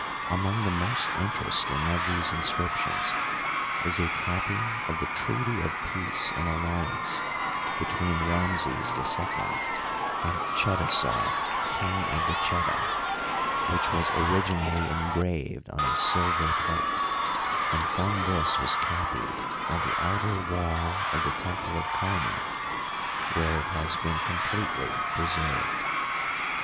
Among the most in teresting of these inscriptions is a copy of the treaty of peace and alliance between Ramses II and Chetasar, king of the Cheta, which was originally engraved on a silver plate, and from this was copied on the outer wall of the temple of Kamak, where it has been completely preserved.